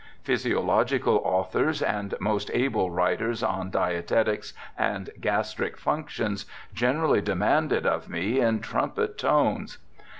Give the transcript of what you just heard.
Physiological authors and most able writers on dietetics and gastric functions generally demand it of me in trumpet tones.